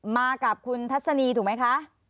มากับคุณทัศนีถูกไหมคะ